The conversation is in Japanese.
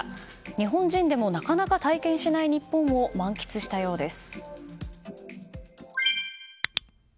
日本人でもなかなか体験しない日本を満喫したようです。